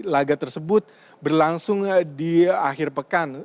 laga tersebut berlangsung di akhir pekan